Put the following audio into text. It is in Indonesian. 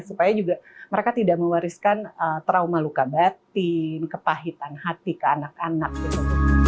supaya juga mereka tidak mewariskan trauma luka batin kepahitan hati ke anak anak gitu